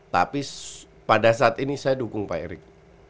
tapi pada saat ini saya dukung pak erik